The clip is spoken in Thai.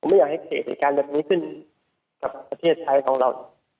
ไม่อยากให้เกิดเหตุการณ์แบบนี้ขึ้นกับประเทศไทยของเรา